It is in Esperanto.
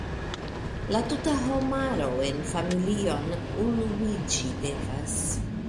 La tuta homaro en familion unuiĝi devas.